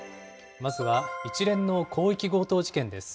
まずは一連の広域強盗事件です。